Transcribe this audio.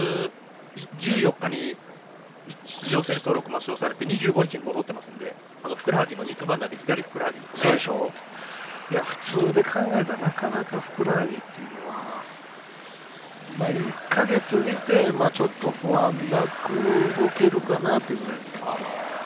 ６月１４日に出場選手登録、抹消されて２５日戻っていますのでふくらはぎの肉離れ普通で考えたらふくらはぎっていうのは１か月見て、不安なく動けるかなというぐらいですね。